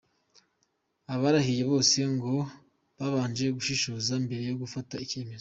Abarahiye bose ngo babanje gushishoza mbere yo gufata icyemezo.